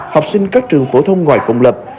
học sinh các trường phổ thông ngoài công lập